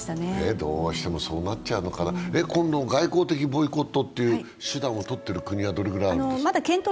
どうしてもこうなっちゃうのかな、この外交的ボイコットという手段を取っている国はどのくらいあるんでしょうか。